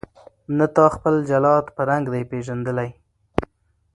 نه تا خپل جلاد په رنګ دی پیژندلی